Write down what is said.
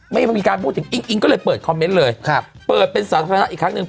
ยังมีการพูดถึงอิงอิงก็เลยเปิดคอมเมนต์เลยครับเปิดเป็นสาธารณะอีกครั้งหนึ่ง